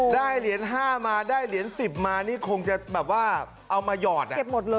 ได้เหรียญ๕มาได้เหรียญ๑๐มานี่คงจะแบบว่าเอามาหยอด